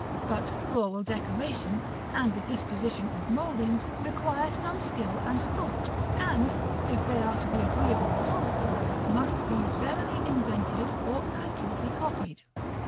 But floral decoration, and the disposition of mouldings, require some skill and thought; and, if they are to be agreeable at all, must be verily invented, or accurately copied.